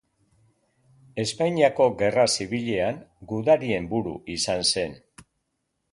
Espainiako gerra zibilean gudarien buru izan zen.